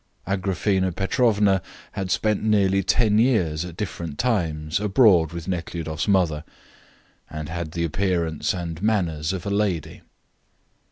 Agraphena Petrovna had spent nearly ten years, at different times, abroad with Nekhludoff's mother, and had the appearance and manners of a lady.